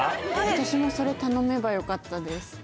私もそれ頼めばよかったです